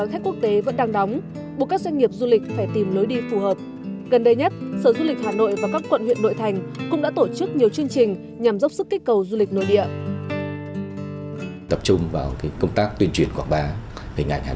hà nội đang bước vào mùa cao điểm du lịch tuy nhiên cánh cửa đón khách quốc tế vẫn đang đóng